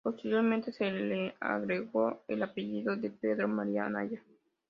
Posteriormente se le agregó el apellido de Pedro María Anaya.